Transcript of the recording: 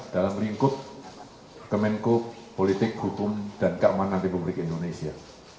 dalam ringkup kemenko politik hukum dan keamanan republik indonesia